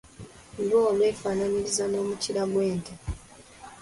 Lwo lwefaananyiriza n’omukira gw'ente.